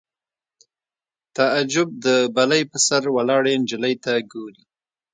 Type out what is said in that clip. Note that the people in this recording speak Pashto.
تعجب د بلۍ په سر ولاړې نجلۍ ته ګوري